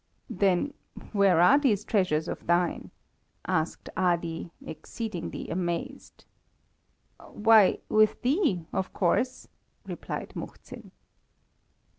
"Then, where are these treasures of thine?" asked Ali, exceedingly amazed. "Why, with thee, of course," replied Muhzin.